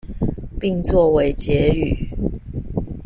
並做為結語